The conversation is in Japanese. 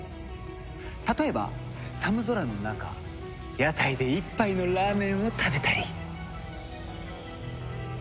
例えば寒空の中屋台で一杯のラーメンを食べたり。